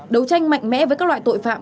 đấu tranh mạnh mẽ với các loại tội phạm